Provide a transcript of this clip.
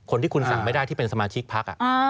คนที่คุณสั่งไม่ได้ที่เป็นสมาชิกพัก